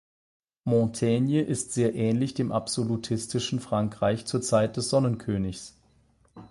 Montaigne ist sehr ähnlich dem absolutistischen Frankreich zur Zeit des Sonnenkönigs.